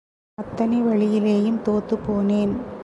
அத்தனை வழியிலேயும் தோத்துப்போனேன்.